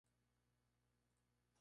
Están ubicados en los centros urbanos.